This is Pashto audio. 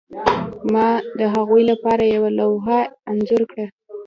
ما د هغوی لپاره یوه لوحه انځور کړه